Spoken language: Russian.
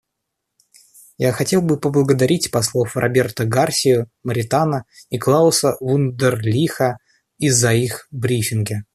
Я хотел бы поблагодарить послов Роберто Гарсию Моритана и Клауса Вундерлиха за их брифинги.